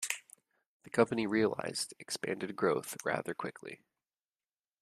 The company realized expanded growth rather quickly.